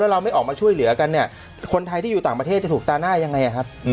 เราไม่ออกมาช่วยเหลือกันเนี่ยคนไทยที่อยู่ต่างประเทศจะถูกตาหน้ายังไงครับ